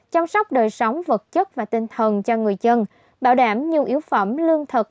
chăm sóc đời sống vật chất và tinh thần cho người dân bảo đảm nhu yếu phẩm lương thực